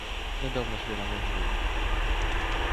Недавно ж я на них гримав.